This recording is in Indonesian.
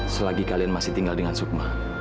selagi kalian masih tinggal dengan sukma